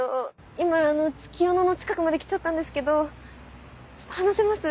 今月夜野の近くまで来ちゃったんですけどちょっと話せます？